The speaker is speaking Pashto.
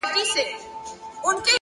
• سیلۍ نامردي ورانوي آباد کورونه,